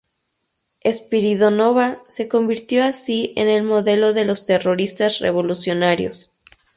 Spiridónova se convirtió así en el modelo de los terroristas revolucionarios.